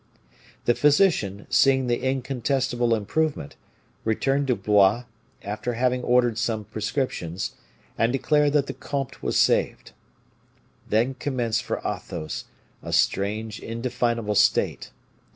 The physician, seeing the incontestable improvement, returned to Blois, after having ordered some prescriptions, and declared that the comte was saved. Then commenced for Athos a strange, indefinable state.